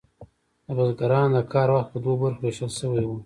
د بزګرانو د کار وخت په دوو برخو ویشل شوی و.